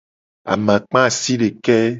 Amakpa asideke.